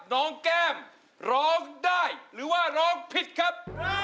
แก้มร้องได้หรือว่าร้องผิดครับ